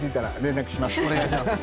お願いします。